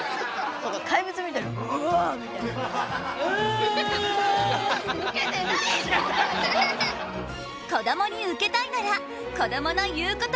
こどもにウケたいならこどもの言うことを聞け！